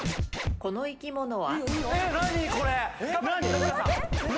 この生き物は？